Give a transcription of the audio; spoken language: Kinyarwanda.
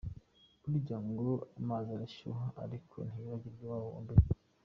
Burya ngo amazi arashyuha ariko ntiyibagirwa iwabo wa mbeho!